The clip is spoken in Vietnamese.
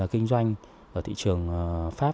kinh doanh ở thị trường pháp